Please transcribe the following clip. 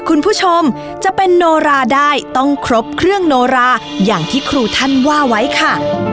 คุณผู้ชมจะเป็นโนราได้ต้องครบเครื่องโนราอย่างที่ครูท่านว่าไว้ค่ะ